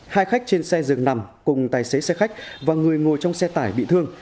hai khách trên xe dường nằm cùng tài xế xe khách và người ngồi trong xe tải bị thương